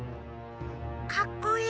かっこいい。